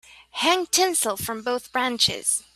Hang tinsel from both branches.